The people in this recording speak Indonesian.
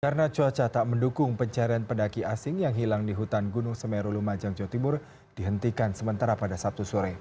karena cuaca tak mendukung pencarian pendaki asing yang hilang di hutan gunung semeru lumajang jawa timur dihentikan sementara pada sabtu sore